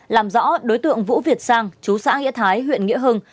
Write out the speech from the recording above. làm rõ đối tượng vũ việt sang chú xã nghĩa thái huyện nghĩa hưng